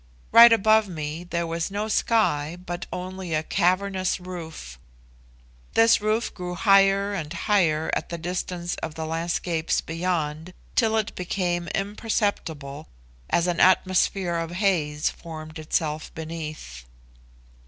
Right above me there was no sky, but only a cavernous roof. This roof grew higher and higher at the distance of the landscapes beyond, till it became imperceptible, as an atmosphere of haze formed itself beneath.